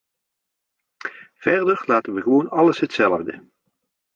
Verder laten wij gewoon alles hetzelfde.